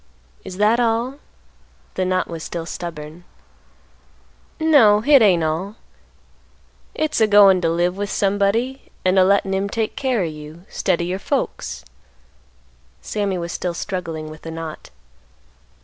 "Is that all?" The knot was still stubborn. "No, hit ain't all. Hit's a goin' t' live with somebody an' a lettin' him take care o' you, 'stead o' your folks." Sammy was still struggling with the knot.